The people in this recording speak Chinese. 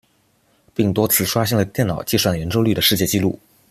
并多次刷新了电脑计算圆周率的世界纪录。